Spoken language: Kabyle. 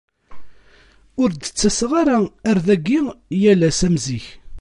Ur d-ttaseɣ ara ar dagi yal ass am zik.